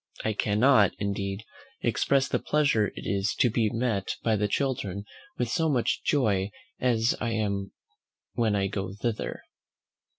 I cannot, indeed, express the pleasure it is to be met by the children with so much joy as I am when I go thither.